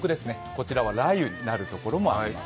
こちらは雷雨になるところもあります。